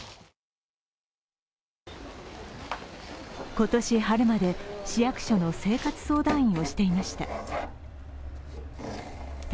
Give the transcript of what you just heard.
今年春まで市役所の生活相談員をしていました。